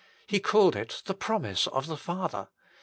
He called it " the promise of the Father."